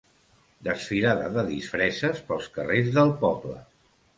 Desfilada de disfresses pels carrers del poble.